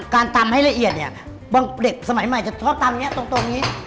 ตำให้ละเอียดเนี่ยบางเด็กสมัยใหม่จะชอบตำนี้ตรงนี้